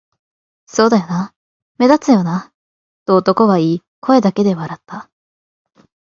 「そうだよな、目立つよな」と男は言い、声だけで笑った